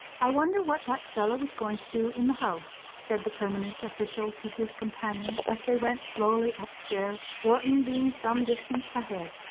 "I wonder what that fellow is going to do in the House," said the permanent official to his companion as they went slowly upstairs, Wharton being some distance ahead.